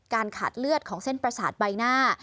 ขาดเลือดของเส้นประสาทใบหน้า